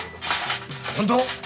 本当？